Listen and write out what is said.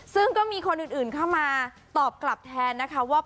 ซึ่งก็มีคนอื่นเข้ามาตอบกลับแทนนะคะว่า